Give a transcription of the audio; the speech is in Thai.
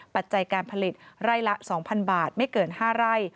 ปัจจัยการผลิตไร่ละ๒๐๐บาทไม่เกิน๕ไร่